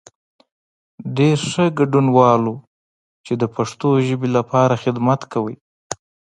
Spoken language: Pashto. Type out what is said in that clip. ډېر ښه، ګډنوالو چې د پښتو ژبې لپاره خدمت کوئ.